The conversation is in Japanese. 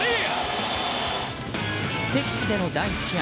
敵地での第１試合。